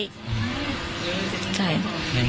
ในมุมหรอกคิดว่า